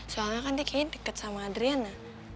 soalnya kan dia kayaknya deket sama adriana